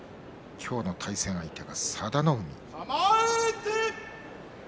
今日の対戦相手は佐田の海。